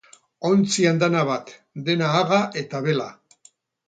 Ontzi andana bat, dena haga eta bela.